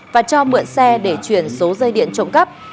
và cho mượn xe để chuyển số dây điện trộm cắp